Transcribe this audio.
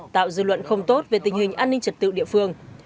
tạo dư luận không tốt về tình hình an ninh trật tự địa phương